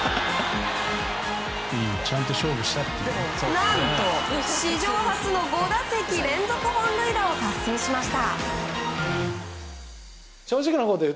何と史上初の５打席連続本塁打を達成しました。